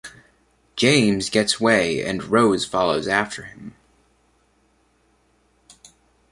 James gets way and Rose follows after him.